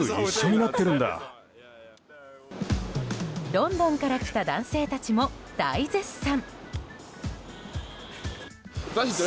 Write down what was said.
ロンドンから来た男性たちも大絶賛！